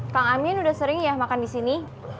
kang amien udah sering ya makan disini